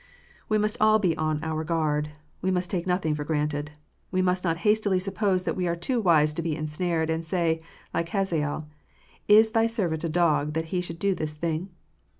We must all be on our guard. We must take nothing for granted. We must not hastily suppose that we are too wise to be ensnared, and say, like Hazael, " Is Thy servant a dog, that he should do this thing